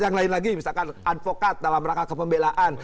yang lain lagi misalkan advokat dalam rangka kepembelaan